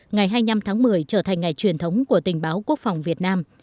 ngày hai mươi năm tháng một mươi trở thành ngày truyền thống của tình báo quốc phòng việt nam